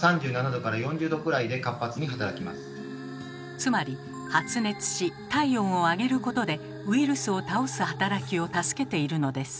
つまり発熱し体温を上げることでウイルスを倒す働きを助けているのです。